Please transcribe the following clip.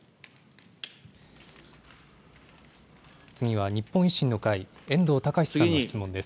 次は、日本維新の会、遠藤敬さんの質問です。